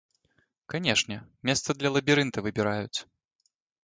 Канешне, месца для лабірынта выбіраюць.